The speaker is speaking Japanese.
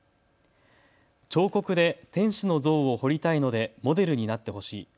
彫刻で天使の像を彫りたいのでモデルになってほしい。